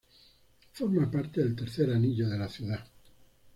Forma parte del Tercer Anillo de la ciudad.